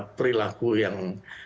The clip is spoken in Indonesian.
entah itu perilaku yang